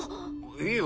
いいよ。